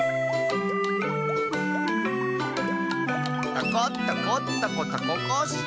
「タコタコタコタココッシー」